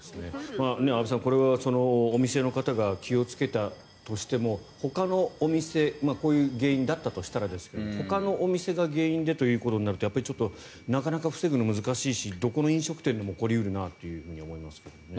安部さん、これはお店の方が気をつけたとしてもほかのお店こういう原因だったとしたらですがほかのお店が原因でということになるとちょっとなかなか防ぐのは難しいしどこの飲食店でも起こり得るなと思いますけど。